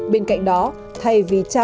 bên cạnh đó thay vì trao điện thoại